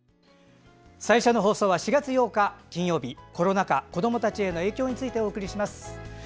最初の放送は４月８日金曜日コロナ禍、子どもたちへの影響についてお送りします。